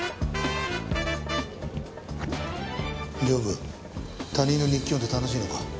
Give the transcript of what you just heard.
刑部他人の日記読んで楽しいのか？